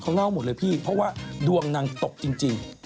เขาเล่าหมดเลยพี่เพราะว่าดวงนางตกจริง